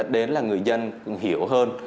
đến là người dân hiểu hơn